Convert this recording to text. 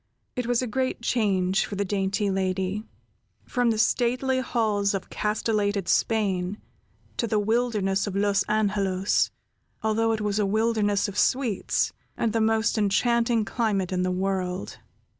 It was a great change for the dainty lady, from the stately halls of castellated Spain to the wilderness of Los Angelos, although it was a wilderness of sweets, and the most enchanting climate in the world.